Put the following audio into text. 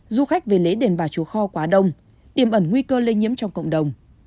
du khách về lễ đền bà chùa kho quá đông tiềm ẩn nguy cơ lây nhiễm trong cộng đồng